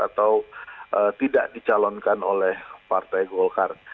atau tidak dicalonkan oleh partai golkar